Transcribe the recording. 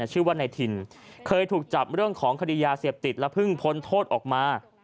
ชื่อว่านายถิ่นเคยถูกจับเรื่องของคดียาเสพติดและเพิ่งพ้นโทษออกมา